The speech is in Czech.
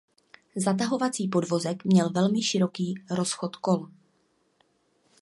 Zatahovací podvozek měl velmi široký rozchod kol.